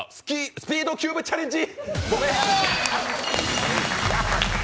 スピードキューブチャレンジ！